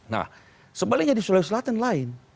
nah sebaliknya di sulawesi selatan lain